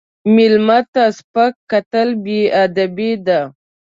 مېلمه ته سپک کتل بې ادبي ده.